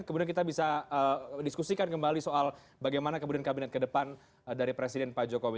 kemudian kita bisa diskusikan kembali soal bagaimana kemudian kabinet ke depan dari presiden pak jokowi